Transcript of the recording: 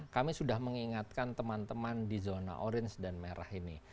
kami sudah mengingatkan teman teman di zona orange dan merah ini